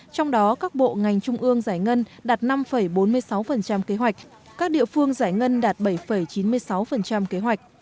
trong đó các bộ ngành trung ương giải ngân đạt năm bốn mươi sáu kế hoạch các địa phương giải ngân đạt bảy chín mươi sáu kế hoạch